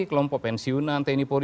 kelompok pensiunan teni pori